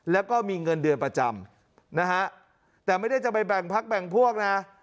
แล้วก็มีเงินเดือนประจำนะฮะแต่ไม่ได้จะไปแบ่งพักแบ่งพวกนะ